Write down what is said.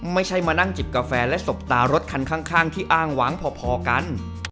ไม่ใช่มานั่งจิบกาแฟและสบตารถคันข้างที่อ้างหวังพอกัน